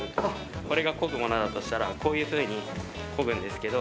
これがこぐものだとしたらこういうふうにこぐんですけど。